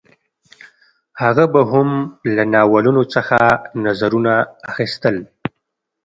هغه به هم له ناولونو څخه نظرونه اخیستل